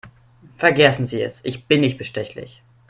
Vergessen Sie es, ich bin nicht bestechlich.